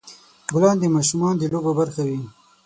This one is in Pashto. ګلان د ماشومان د لوبو برخه وي.